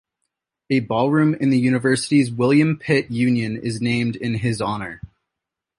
A ballroom in the university's William Pitt Union is named in his honor.